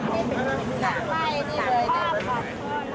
ไม่นี่เลยนะครับ